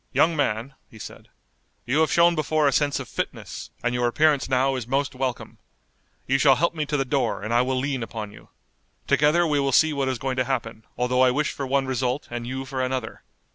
"Young man," he said, "you have shown before a sense of fitness, and your appearance now is most welcome. You shall help me to the door, and I will lean upon you. Together we will see what is going to happen, although I wish for one result, and you for another.